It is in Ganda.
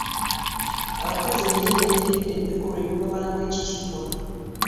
Abakazi bennyini beenyigidde mu bikolwa ebibamalamu ekitiibwa.